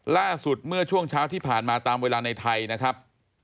ล่าสุดเมื่อช่วงเช้าที่ผ่านมาตามเวลาในไทยนะครับ